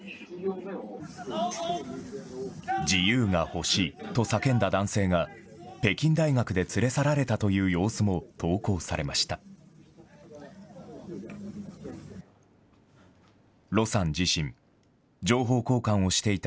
自由が欲しいと叫んだ男性が、北京大学で連れ去られたという様子も投稿されました。